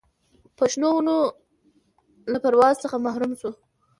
پر شنو ونو له پرواز څخه محروم سو